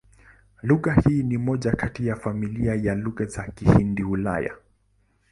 Lugha hii ni moja kati ya familia ya Lugha za Kihindi-Kiulaya.